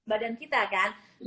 badan kita kan